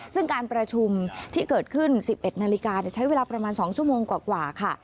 ซึ่งการประชุมที่เกิดขึ้น๑๑นาฬิกาใช้เวลาประมาณ๒ชั่วโมงกว่าค่ะ